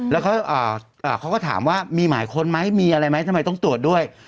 แล้วเขาก็ถามว่ามีหมายค้นไหมมีอะไรไหมทำไมต้องตรวจด้วย